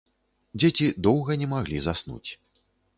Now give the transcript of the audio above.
Дзеці доўга не маглі заснуць.